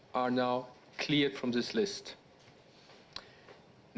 sekarang telah diperbukti dari listanya